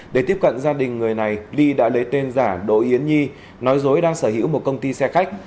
để tiếp cận gia đình người này ly đã lấy tên giả đỗ yến nhi nói dối đang sở hữu một công ty xe khách